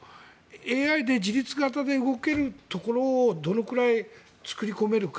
ＡＩで自律型で動けるところをどのくらい作り込めるか。